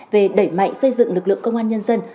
về đẩy mạnh xây dựng lực lượng công an nhân dân